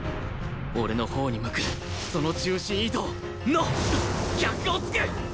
俺のほうに向くその重心移動の逆を突く！